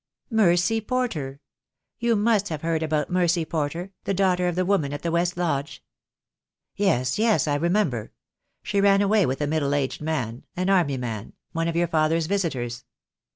"Mercy Porter. You must have heard about Mercy Porter, the daughter of the woman at the West Lodge." "Yes, yes, I remember. She ran away with a middle aged man — an army man— one of your father's visitors."